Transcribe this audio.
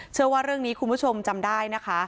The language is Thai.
เชื่อว่าเรื่องนี้คุณผู้ชมจำได้นะคะ